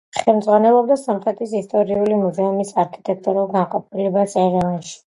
ხელმძღვანელობდა სომხეთის ისტორიული მუზეუმის არქიტექტურულ განყოფილებას ერევანში.